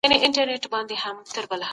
د ماشومانو راتلونکی مه خرابوئ.